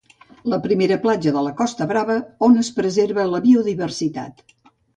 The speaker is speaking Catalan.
La primera platja de la Costa Brava on es preserva la biodiversitat.